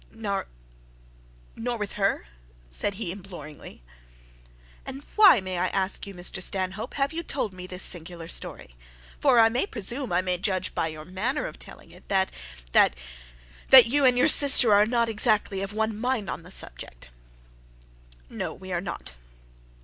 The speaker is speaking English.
'No, nor with her,' said he imploringly. 'And why, may I ask you, Mr Stanhope, have you told me this singular story? For I may presume I may judge by your manner of telling it, that that that you and your sister are not exactly of one mind on the subject.' 'No, we are not.'